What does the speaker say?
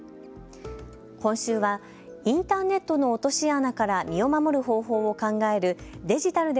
今週はインターネットの落とし穴から身を守る方法を考えるデジタルで！